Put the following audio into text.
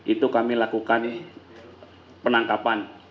itu kami lakukan penangkapan